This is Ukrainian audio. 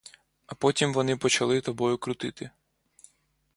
А потім вони починають тобою крутити.